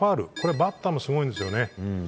バッターもすごいんですよね。